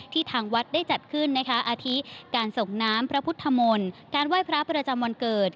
ทางวัดได้จัดขึ้นนะคะอาทิตการส่งน้ำพระพุทธมนต์การไหว้พระประจำวันเกิด